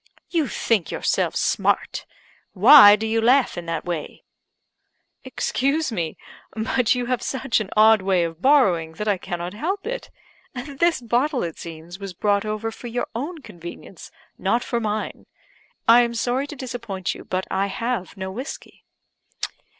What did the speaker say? "You think yourselves smart! Why do you laugh in that way?" "Excuse me but you have such an odd way of borrowing that I cannot help it. This bottle, it seems, was brought over for your own convenience, not for mine. I am sorry to disappoint you, but I have no whiskey."